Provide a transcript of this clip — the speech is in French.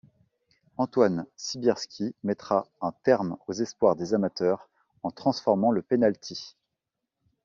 Antoine Sibierski mettra un terme aux espoirs des amateurs en transformant le pénalty.